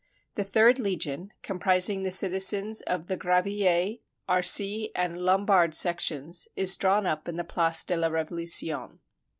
The third legion, comprising the citizens of the Gravilliers, Arcis, and Lombard sections, is drawn up in the Place de la Revolution.